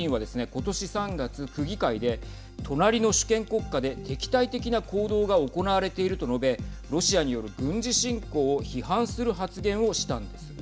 ことし３月、区議会で隣の主権国家で敵対的な行動が行われていると述べロシアによる軍事侵攻を批判する発言をしたんです。